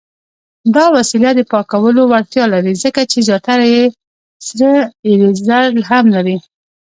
دا وسیله د پاکولو وړتیا لري، ځکه چې زیاتره یې سره ایریزر هم لري.